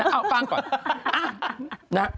เอาฟังก่อน